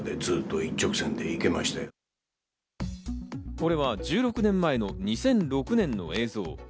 これは１６年前の２００６年の映像。